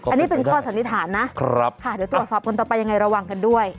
อันนี้เป็นข้อสันนิษฐานนะเดี๋ยวตรวจสอบกันต่อไปยังไงระวังกันด้วย